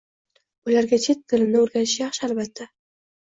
Bolalarga chet tilini o‘rgatish yaxshi, albatta.